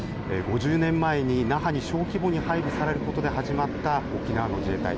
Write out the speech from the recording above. ５０年前に那覇に小規模に配備されることで始まった沖縄の自衛隊。